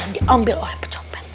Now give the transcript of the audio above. diambil oleh pecompet